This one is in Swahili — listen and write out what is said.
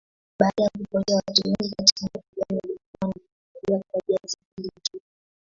Baada ya kupotea watu wengi katika mapigano walikuwa na mabaharia kwa jahazi mbili tu.